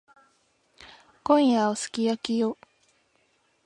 今夜はすき焼きよ。